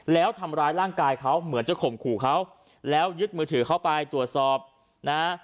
แล้วทำร้ายร่างกายเขาเหมือนจะข่มขู่เขาแล้วยึดมือถือเข้าไปตรวจสอบนะ